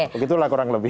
begitulah kurang lebih